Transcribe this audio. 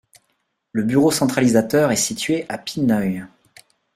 Le bureau centralisateur est situé à Pineuilh.